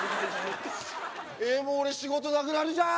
えっもう俺仕事なくなるじゃん。